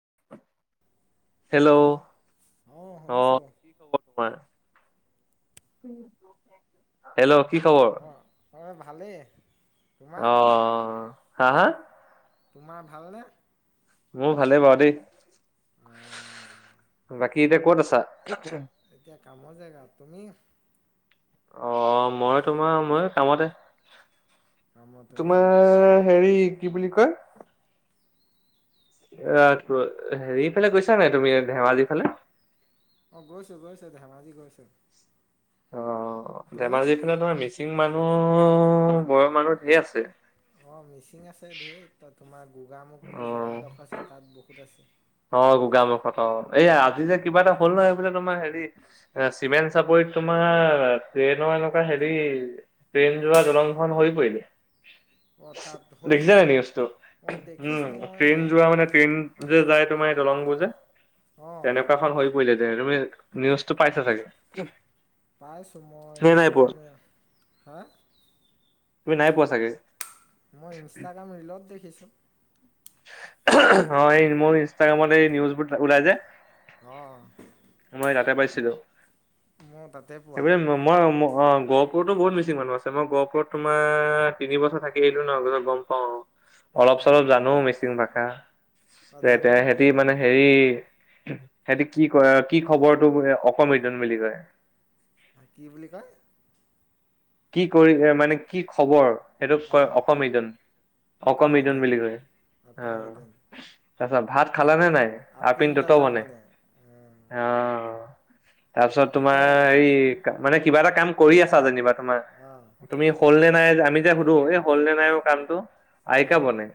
[inaudible] Hello? অ শুনিছো। কি খবৰ তোমাৰ হেল্ল' কি খবৰ হয় ভালেই। তোমাৰ অ', অ', অ', হা হা। তোমাৰ ভালনে? মোৰ ভালেই বাৰু দেই অঁ বাকী এতিয়া ক'ত আছা? [inaudible] এতিয়া কামৰ জেগা তুমি? অ', মই তোমাৰ মই কামতে। কামতে ন তোমাৰ হেৰি কি বুলি কয় ৰা হেৰি ফালে গৈছা নে তুমি ধেমাজি ফালে? অ', গৈছো গৈছো ধেমাজি গৈছো। অ', ধেমাজিৰ ফালে তোমাৰ মিচিং মানুহ বয়স মানুহ ঢেৰ আছে। অ', মিচিং আছে ধেৰ ত' তোমাৰ গোগামুখ বুলি অ জেগা এডখৰ আছে তাত বহুত আছে। অ', গোগামুখত অ এই আজি যে কিবা এটা হ'ল নহয় এই বোলে তোমাৰ হেৰি এ চিমেণ চাপৰিত তোমাৰ তোমাৰ ট্ৰেইনৰ এনেকুৱা হেৰি ট্ৰেইন যোৱা দলংখন সৰি পৰিলে। অ', দেখিছা নাই নিউজটো দেখিছোঁ উম, মই ট্ৰেইন যোৱা এনেকুৱা মানে ট্ৰেইন যে যাই দলংবোৰ যে অঁ তেনেকুৱা এখন সৰি পৰিলে, তুমি নিউজটো পাইছা চাগে? পাইছো মই নে নাই পোৱা ইনষ্টাগ্ৰামে হা? তুমি নাই পোৱা চাগে। মই ইনষ্টাগ্ৰাম ৰিলত দেখিছো অ' এই মোৰ ইনষ্টাগ্ৰামত এই নিউজবোৰ উলাই যে অ' মই তাতে পাইছিলো মই তাতে পোৱা সেইবোৰেই মই অ', গহপুৰতো বহুত মিচিং মানু আছে, মই গহপুৰত তোমাৰ তিনি বছৰ থাকি আহিলো ন' পিছত গম পাওঁ আৰু। অলপ অঁ চলপ গ জানো মিচিং ভাষা অ তেতি জানানি সিহতি মানে হেৰি সেইটো কি ক কি খবৰটো অকমিডুঙ বুলি কয়। কি বুলি কয়? কি কৰি মানে কি খবৰ সেইটোক অ কয় অকমৰিডুঙ, অকমৰিডুঙ অকামিদন বুলি কয় অ', অকামিদন তাৰপিছত ভাত খালা নে নাই? আপিন দুট আপিনদাতা মনে বনে অ, তাৰপিছত তোমাৰ অপ্পয় হৰি মানে কিবা এটা কাম কৰি আছা যেনিবা তোমাৰ অ তুমি হ'ল নে নাই আমি যে সুধো এই হ'ল নে নাই মোৰ কামটো অ আইকা বনে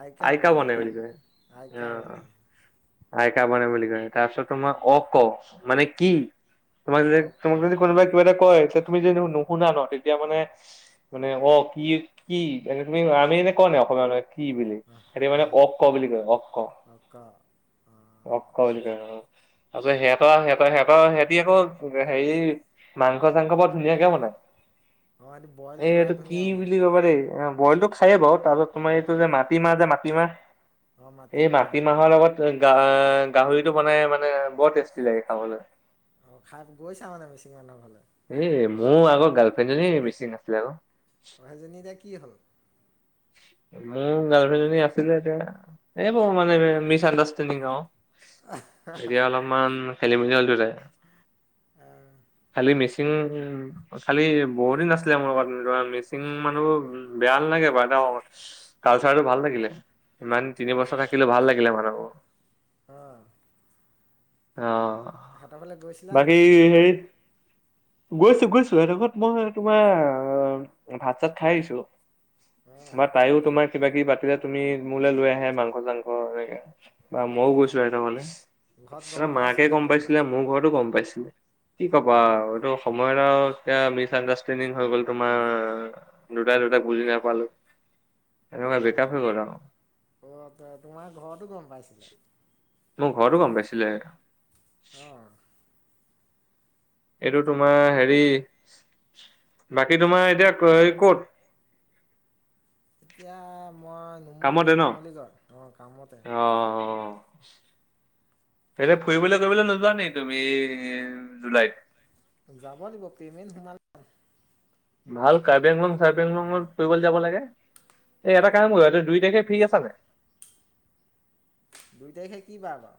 আইকা বনে অ আইকা বনে আইকা বনে বুলি কয় তাৰপিছত তোমাৰ অ' ক' মানে কি? তোমাৰ যদি অক তোমাক অ যদি কোনোবাই কিবা এটা কয় তে তুমি যে দেখোন নুশুনা ন' তেতিয়া মানে মানে অ' কি কি এনে তুমি আমি এনে কোৱা নাই অসমীয়া মানে কি বুলি সেতি মানে অ অ'ক' বুলি কয় অ', ক' অক অ অ'ক' বুলি কয় অ'ক' তাৰপিছত সিহঁতৰ-সিহঁতৰ-সিহঁতৰ সিহতি আকৌ হেৰি মাংস চাংস বৰ ধুনীয়াকে বনাই অ এইটো বইল এই পুৰা এইটো কি ধুনীয়া বনাই বুলি কব দেই এ বইলতো খাইয়ে বাৰু, তাৰপাছত তোমাৰ এইটো যে মাটিমাহ যে অ মাটিমাহ এই মাটিমাহ মাটিমাহৰ লগত গাহ গাহৰিটো বনাই মানে বৰ টেষ্টি লাগে খাবলৈ। অ, খাই, গৈছা মানে মিছিং মানুহৰ ঘৰলে? এ মোৰ আগৰ গাৰ্লফ্ৰেণ্ডজনী মিচিং আছিলে আকৌ অ, সেইজনী এতিয়া কি হল? মোৰ গাৰ্লফ্ৰেড এজনী আছিলে এতিয়া, এইব মানে মিচ আণ্ডাৰষ্টেণ্ডিং আৰু এতিয়া অলপমান খেলি মেলি হল দুটাই অ খালি মিচি মিচিং খালি বহুত দিন আছিলে মোৰ লগত মিচিং মানুহ বেয়া নালাগে বাৰু কালচাৰটো ভাল লাগিলে ইমান তিনি বছৰ থাকিলো ভাল লাগিলে মানুহবোৰ হ, অ, সিহঁতৰ ফালে গৈছিলা বাকী নেকি? নাই যোৱা হেৰি গৈছো, গৈছো। সিহঁতৰ ঘৰত মই তোমাৰ ভাত চাত খাই আহিছো। অ তাইও তোমাৰ কিবা কিবি পাতিলে তুমি মোলৈ লৈ আহে মাংস চাংস এনেকে বা মইও গৈছো সিহঁতৰ ঘৰলে ঘৰত গম মাকে পাইছিলে গম সিহঁতৰ ঘৰত পাইছিলে, মোৰ ঘৰতো গম পাইছিলে, কি কবা অ আৰু মই আৰু এয়া মিচ আণ্ডাৰষ্টেণ্ডিং হৈ গল, তোমাৰ দুটাই- দুটাক বুজি নাপালো উ, [unintelligible] অহ, অ, তোমাৰ ঘৰতো গম পাইছিলে? মোৰ ঘো গম পাইছিলে অ', এইটো তোমাৰ হেৰি বাকী তোমাৰ এতিয়া কত? এতিয়া মই নুমলীগড় কামতে ন নুমলীগড় অ, কামতে সেইে ফুৰিবলৈ তোমাৰ কৰিবলৈ নোযোৱা নে তুমি জুলাইত? যাব লাগিব পেমেণ্ট সোমল ভাল কাৰ্বি আংলং চাৰ্বি আংলংৰ পৰিুবল যাব লাগে। এটা কামোতে দুই তাৰিখে ফ্ৰী আছা নে? দুই তাৰিখে কি বাৰবা?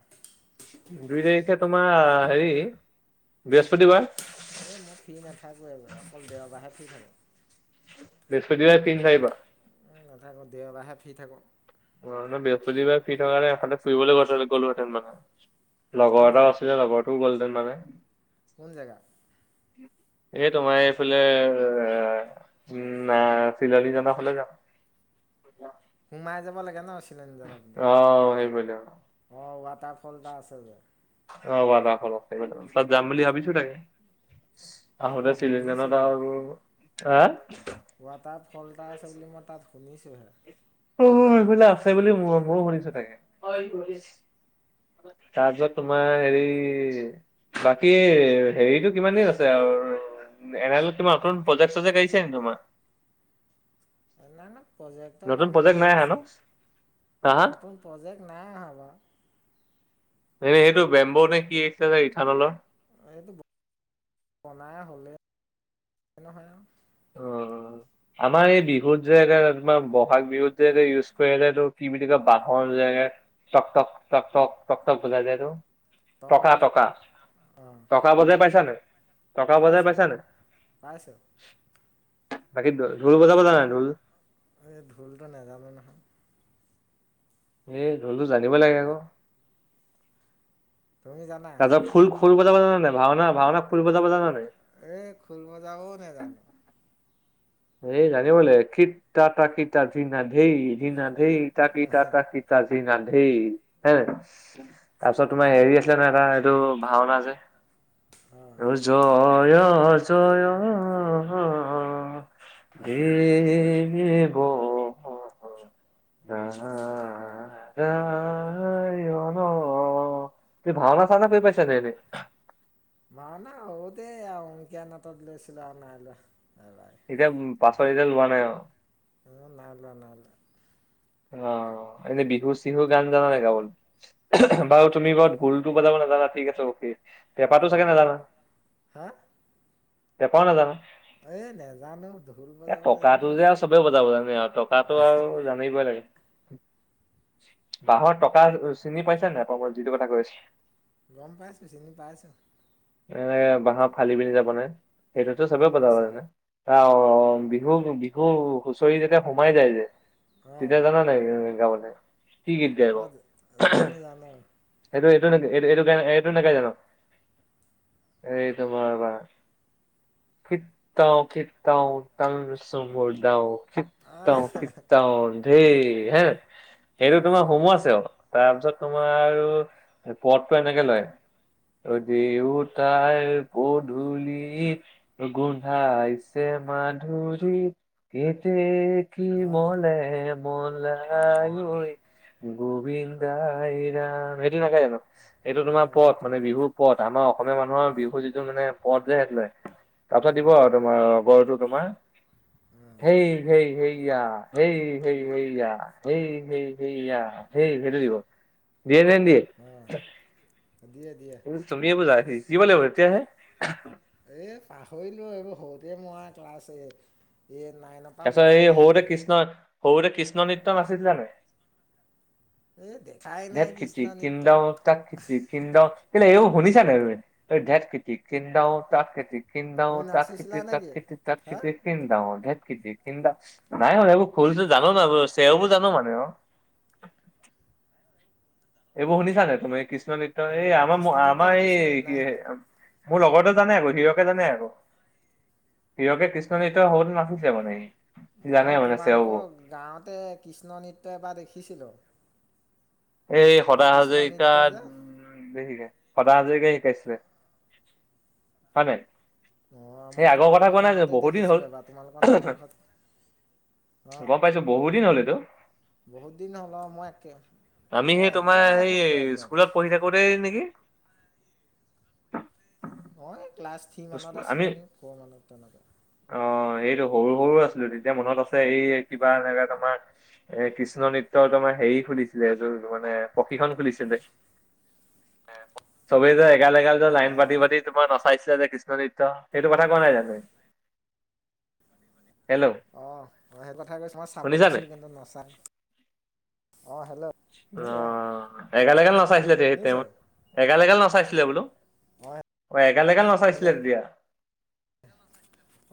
দুই তাৰিখে তোমাৰ হেৰি বৃহস্পতিবাৰ এই মই ফিৰী নাথাকো এইব অকল দেৰবাহে ফ্ৰী থাকো বৃহস্পতিব তিনি চ আহিবা থাকো দেওবাৰাহে ফি থাকো ম নে বৃহস্পতিবাৰে ফি থকাৰ নে এতে ফুৰিবলৈ গ গলোহেঁতেন মানে কোন লগৰ এটা জেগা আছিলে লগৰটোও গ'লহতেন মানে। কোন জেগা? এ তোমাৰ এইফালে উম, নাই চিলানী জানা হলে জান সোমাই যাব লাগে ন। চিলনীজনৰ অ, সেইব অ, ৱাটাৰ ফল এটা আছে যে। অ, ব তাত যাম বুলি ভাবিছো তাকে। অঁ আহোতে মই চিলিজানত আৰু হা ৱাটাৰ ফল এটা আছে বুলি মই তাত শুনিছোহে। অ সেইবিলাক আছে বুলি ময়ো শুনিছো তাকে। তাৰপিছত তোমাৰ হেৰি বাকী হেৰিটো কিমান দিন আছে আৰু উ এনেহলে তোমাৰ নতুন প্ৰজেক্ট চজেক্ট আহিছে নি তোমাৰ। [unintelligible] প্ৰজেক্টৰ নতুন কাম প্ৰজেক্ট হৈয়ে নাই আহা ন? আছে, হা হা নতুন প্ৰজেক্ট নাই অহা বাৰু। এনে সেইটো বেম্বৌ নে কি আহিছিলে যে ইথানলৰ। এইটো বনাই হলে নহয় আৰু। অ আমাৰ এই বিহুত যে তমাৰ ব'হাগ বিহুত যে এ ইউজ কৰে যে টো কি বুলি কয় বাঁহৰ যে এইটো। তক তক তক তক তক তক বজাই যে এইটো। টকা টকা, অঁ টকা বজাই পাইছা নাই? টকা বজাই পাইছোঁ পাইছা নাই? পাইছোঁ বাকী ঢোল বজাব জান নাই ঢোল? ঢোলটো নেজানো নহয়। এ ঢোলটো জানিব লাগে আকৌ। তুমি জানা তাৰপিছত খোল খোল বজাব জানা নাই ভাওনা ভাওনা খোল বজাব জানা নাই? এ খোল বজাবও নেজানো। এই জানিব লাগিব খিত তা তা খিতা ধিনা ধেই ধিনা ধেই তাকি তা তা খিটা ধিনা ধেই, হয় নাই? তাৰপিছত তোমাৰ ঢোল হেৰি আছিলে নহ এটা এইটো ভাওনা যে। অঁ ৰ জয় জয় দে ব হ-হ। নাৰায়ণ। অ, এ ভাওনা চাওনা কৰি পাইছা তেহেতি? ভাওঁনা সৰুতে অংকীয়া নাটত লৈছিলে আৰু নাই লোৱা [unintelligible] এতিয়া পাছত এতিয়া লোৱা নাই আৰু? [unintelligible] নাই লোৱা - নাই লোৱা। অ, এনে বিহু চিহু গান জানানে গাবলে বাৰু তুমি [unintelligible] ঢোল টো বজাব লাগ [unintelligible] পেপাতো অঁ চাগে নাজানা পেপাও নাজানা? এ নেজানো। ঢোল এ বজাব টকাটো নেজানো যে আৰু চবে বজাব জানে আৰু টকাটো আহ, আৰু জানিবই লাগে। বাঁহৰ টকা চিনি পাইছে নে নাই পোৱা মই যিটো কথা কৈ আছোঁ? গম পাইছে চিনি পাইছে। এ বাহৰ ফালি পিনি যে বনাই। সেইটোতো চবে গম বজাব পাইছোঁ জানে আ অ', অ', বিহু [unintelligible] অ', অ', হুঁচৰি যেতিয়া সোমাই যায় যে? অঁ তেতিয়া জান নাই গাবলে কি গীত গাই বাৰো অঁ জানো [unintelligible] জানো সেইটোৱে এইটো নেকি এই-এইটো-এইটো নেগাই জানো এইটো বাৰ-বাৰ খৃতৌ- খৃতৌ টাং চুব দেঔ। [unintelligible] আহ, ধেই হে। এইটো তোমাৰ অঁ সোমোৱা আছে অলপ তাৰপিছত তোমাৰ আৰু পদটো এনেকে লয় অ, দেউতাৰ পধূলি গোন্ধাইছে মাধুৰী কেতে কী অঁ মলে মলাই ঐ গো বিন্দাই ৰাম, এইটো নাগাই জানো? এইটো তোমাৰ অঁ পঠ এইটো মানে বিহুৰ পঠ আমাৰ অস অসমীয়া মানুহৰ বিহু যিটো মানে পঠ যে [unintelligible] তাৰপিছত দিব অঁ আৰু তোমাৰ লগৰটো তোমাৰ অঁ সেই সেই সেইয়া সেই। সেই সেইয়া সেই সেই সেইয়া সেই সেইটো দিব। দিয়ে নে নিদিয়ে? অঁ দিয়ে দিয়ে এইটো তুমিয়ে বুজা, শিকিব লাগিব তেতিয়াহে। এই পাহৰিলোঁ এইবোৰ সৰুতে মৰা ক্লাছ এইট এই নাইানৰ পৰা তাৰপিছত এই মৰাই নাই সৰুতে বিহু। কৃষ্ণ সৰুতে কৃষ্ণ নৃত্য নাচিছিলা নাই? এই দেখাই নাই ধেৎ খিটি কৃষ্ণ নৃত্য খিন্দাও, তাত খিটি খিন্দাও [unintelligible] শুনিছা নে নাই তুমি এই ধেৎ খিটি খিন্দাও, তাত খিটি খিন্দাও তুমি তাত খিটি নাচিছিলা তাত নেকি খিটি তাত হা খিটি খিন্দাও ধেত খিতি খিন্দাও নায় মানে এইবোৰ খুল চুল জানো ন এইবোৰ চেওবোৰ জানো মানে আও। [inaudible] এইবোৰ শুনিছা নে তুমি কৃষ্ণ নৃত্য এই অঁ কৃষ্ণ আমাৰ- নৃত্য আমাৰ শিকিছিলা নি এই কি নাই শিকা মোৰ লগৰটোৱে জানে আক হীৰকে জানে আক। হীৰকে কৃষ্ণ নৃত্য সৰুতে নাচিছে মানে সি। জানে মই মানে চেওবোৰ তোমালোকৰ গাঁওতে কৃষ্ণ নৃত্য এবাৰ দেখিছিলোঁ। এই সদা মই কৃষ্ণ নৃত্য যে হাজৰিকাত, উম, বেছিকে। সদা হাজৰিকাই শিকাইছিলে। হয় নাই? অ' এই মই আগৰ কথা তোমালোকৰ কোৱা নাই যে গাঁওতে বহুত দিন হ'ল দেখিছিলোঁ এবাৰ তোমালোকৰ নামঘৰত অ', গম পাইছো বহুত দিন হ'ল এইটো বহুত দিন হ'ল অ' মই একে আমি অঁ সেই তোমাৰ একেবাৰে সেই সৰু একদম স্কুলত পঢ়ি থাকোতেই নে কি [unintelligible] অ, এই ক্লাছ থ্ৰী মানত আছিলো নে ফ'ৰ মানত তেনেকুৱা। অ', এইটো সৰু সৰু আছিলোঁ তেতিয়া মনত আছে, এই কিবা এনেকে তোমাৰ! এ কৃষ্ণ নৃত্য তোমাৰ হেৰি খুলিছিলে এযোৰ মানে প্ৰশিক্ষণ খুলিছিলে। চবেই যে এগাল - এগাল যে অ লাইন অ পাতি পাতি তোমাৰ নচাইছে কৃষ্ণ নৃত্য, সেইটো কথা কোৱা নাই জানো? হেল্ল' অ, সেইটো কথাই কৈছো। মই চাবলৈ শুনিছা নাই? আছিলো কিন্তু নাচা অ, এগাল-এগাল নাচাইছিলে তে তেওঁ শুনিছো এগাল-এগাল নাচাইছিলে বোলো। অ, এগাল - এগাল যে নচাইছিলে তেতিয়া।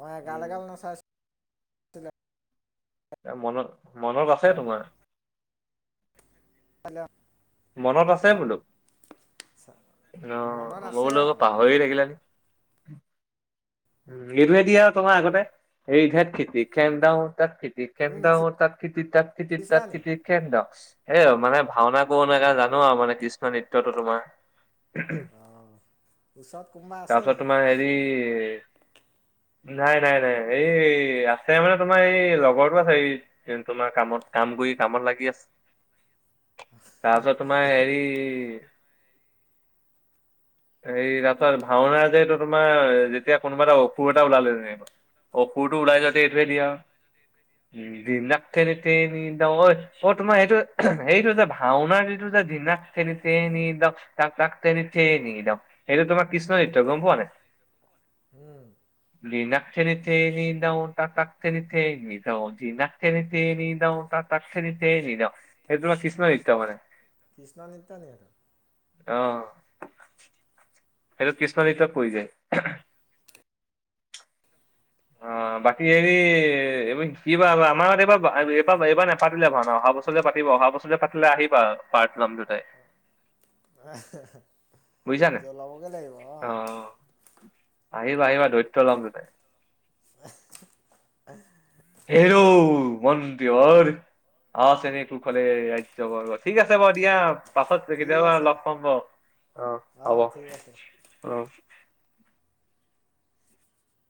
অ, উম এগাল-এগাল নচাইছিলে। এ মনত, মনত আছে তোমাৰ? পালে। মনত আছে বোলো অ, মনত মই আছে বোলো অ আকৌ পাহৰিয়ে থাকিলা নি উম, মিলে দিয়ে আৰু তোমাৰ আগতে [unintelligible] [unintelligible] সেয়া তুমি নাচিছিলা নি মানে ভাওনা কৰো না [unintelligible] হা, সেইকাৰণে জানো আৰু মানে কৃষ্ণ নৃত্যটো তোমাৰ। অ ওচৰত কোনোবা আছে তাৰপিছত নি তোমাৰ হেৰি নাই-নাই-নাই এই আছে মানে তোমাৰ এই লগৰটো আছে, এই তোমাৰ কামত কাম কাম কৰি কামত লাগি আছে। তাৰপাছত তোমাৰ হেৰি এই তাৰপাছত ভাওনাৰটো তোমাৰ যেতিয়া কোনোবা এটা অসুৰ এটা ওলাল [unintelligible] অসুৰটো ওলাই অ যাওঁতে এইটোৱে দিয়ে আও। উ [unintelligible] অ তোমাৰ সেইটো সেইটো যে ভাওনাৰ সেইটো যে [unintelligible] সেইটো তোমাৰ কৃষ্ণ নিত্য গম পোৱা নাই? উম থেনি থেনি দাও তাক তাক থেনি থেনি দাও, ধিনাক থেনি থেনি দাও তাতাক ঠেনি দাও, সেইটো তোমাৰ কৃষ্ণ নৃত্য মানে। কৃষ্ণা নিত্য নেকি সেইটো? অহ। সেইটো কৃষ্ণ নৃত্যত পৰি যায়। অ বাকী হেৰি এইবাৰ [unintelligible] আমাৰ এইবাৰ এইবাৰ এইবাৰ নেপাতিলে ভাওনা অহা বছৰলে পাতিব অহা বছৰ পাতিলে আহিবা পাৰ্ট লম দুটাই [unintelligible] বুজিছা নাই ওজলাবগে লাগিব অ। আহিবা আহিবা দৈত্য লম দুটাই। হেৰ' মন্দৰ অ চেনী কুখলে [unintelligible] ঠিক আছে বাৰু দিয়া। পাছত ঠিক কেতিয়াবা আছে লগ পাম বাৰু অ অ হব ঠিক আছে অ।